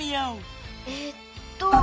えっと。